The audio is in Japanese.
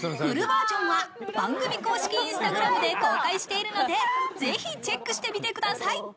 フルバージョンは番組公式インスタグラムで公開しているのでぜひチェックしてみてください。